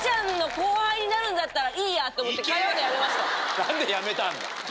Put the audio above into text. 何でやめたんだ。